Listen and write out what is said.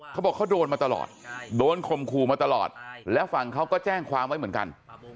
เขาบอกเขาโดนมาตลอดโดนข่มขู่มาตลอดแล้วฝั่งเขาก็แจ้งความไว้เหมือนกัน